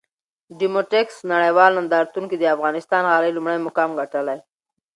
ډوموټکس نړېوال نندارتون کې د افغانستان غالۍ لومړی مقام ګټلی!